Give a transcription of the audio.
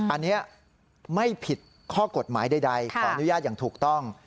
อันนี้ไม่ผิดข้อกฎหมายใดขออนุญาตอย่างถูกต้อง